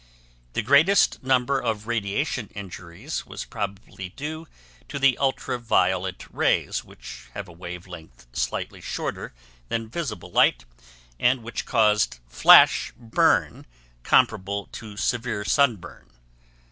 The greatest number of radiation injuries was probably due to the ultra violet rays which have a wave length slightly shorter than visible light and which caused flash burn comparable to severe sunburn.